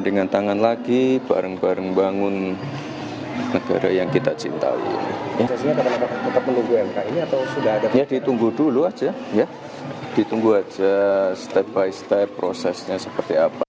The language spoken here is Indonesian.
ditunggu dulu saja ditunggu saja step by step prosesnya seperti apa